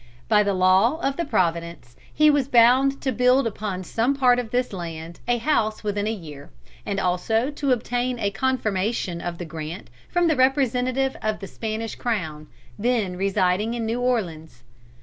By the law of the province he was bound to build upon some part of this land a house within the year, and also to obtain a confirmation of the grant from the representative of the Spanish crown, then residing in New Orleans.